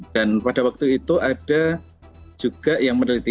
dan pada waktu itu ada juga yang meneliti